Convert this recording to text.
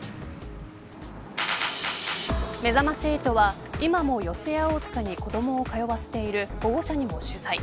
めざまし８は今も四谷大塚に子どもを通わせている保護者にも取材。